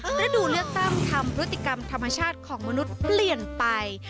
ฤดูเลือกตั้งทำพฤติกรรมธรรมชาติของมนุษย์เปลี่ยนไป